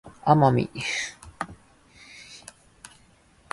人に会うときはまずアポを